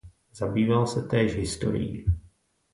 Zabýval se též historií.